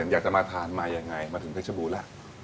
๑๐๐อยากจะมาทานมายังไงมาถึงพฤชบุล่ะ